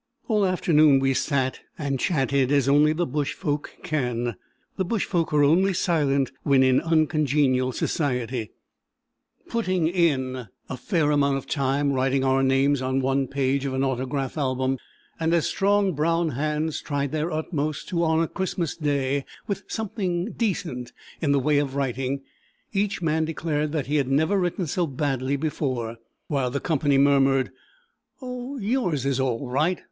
All afternoon we sat and chatted as only the bush folk can (the bush folk are only silent when in uncongenial society), "putting in" a fair amount of time writing our names on one page of an autograph album; and as strong brown hands tried their utmost to honour Christmas day with something decent in the way of writing, each man declared that he had never written so badly before, while the company murmured: "Oh, yours is all right.